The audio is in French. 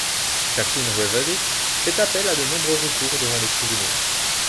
Jacqueline Reverdy fait appel à de nombreux recours devant les tribunaux.